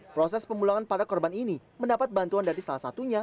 proses pemulangan para korban ini mendapat bantuan dari salah satunya